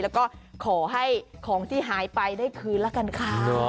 แล้วก็ขอให้ของที่หายไปได้คืนละกันค่ะ